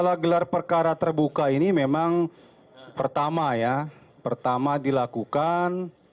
masalah gelar perkara terbuka ini memang pertama ya pertama dilakukan